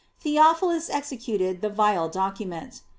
Theophilus executed the vile document.